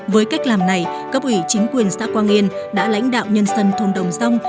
với cách làm này cấp ủy chính quyền xã quang yên đã lãnh đạo nhân dân thôn đồng rông